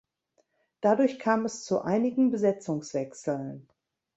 Dadurch kam es zu einigen Besetzungswechseln.